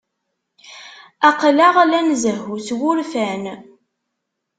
Aql-aɣ la nzehhu s wurfan.